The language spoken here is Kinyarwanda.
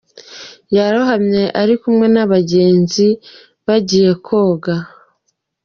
Yarohamye ari kumwe n’abagenzi bagiye koga.